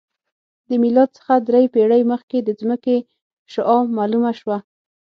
د میلاد څخه درې پېړۍ مخکې د ځمکې شعاع معلومه شوه